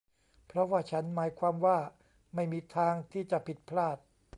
เพราะว่าฉันหมายความว่าไม่มีทางที่จะผิดพลาด